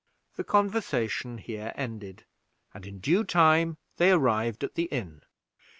The conversation here ended, and in due time they arrived at the inn.